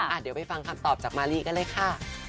เดี๋ยวไปฟังคำตอบจากมาลีกันเลยค่ะ